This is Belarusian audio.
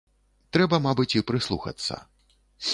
Трэба, мабыць, і прыслухацца.